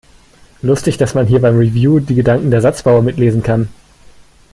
Lustig, dass man hier beim Review die Gedanken der Satzbauer mitlesen kann!